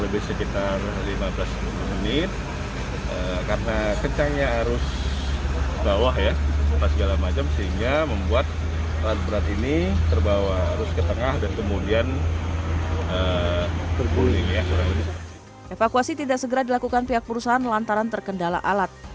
evakuasi tidak segera dilakukan pihak perusahaan lantaran terkendala alat